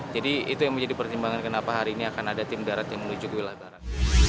jadi itu yang menjadi pertimbangan kenapa hari ini akan ada tim darat yang menuju ke wilayah barat